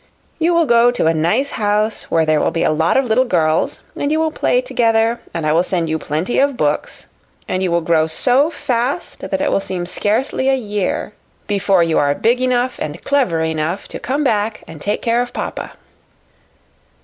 "You will go to a nice house where there will be a lot of little girls, and you will play together, and I will send you plenty of books, and you will grow so fast that it will seem scarcely a year before you are big enough and clever enough to come back and take care of papa."